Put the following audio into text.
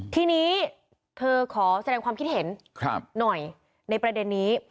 ทีนี้เธอขอแสดงความคิดเห็นหน่อยในประเด็นนี้